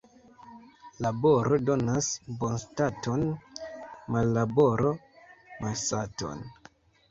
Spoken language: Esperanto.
Laboro donas bonstaton, mallaboro malsaton.